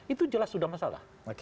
itu jelas sudah masalah